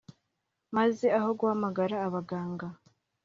maze aho guhamagara abaganga